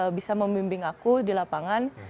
bisa membimbing aku di lapangan